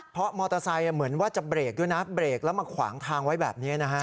เพราะมอเตอร์ไซค์เหมือนว่าจะเบรกด้วยนะเบรกแล้วมาขวางทางไว้แบบนี้นะฮะ